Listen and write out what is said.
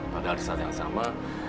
padahal di saat yang sama